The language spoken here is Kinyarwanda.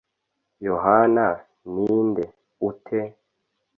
yohana ni nde ute?